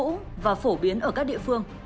cũ và phổ biến ở các địa phương